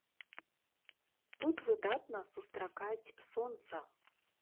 Тут выдатна сустракаць сонца.